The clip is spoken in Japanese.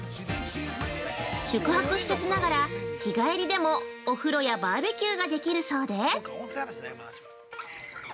宿泊施設ながら、日帰りでもお風呂やバーベキューができるそうで。